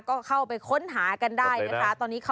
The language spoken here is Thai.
ก็เข้าไปค้นหากันได้นะคะ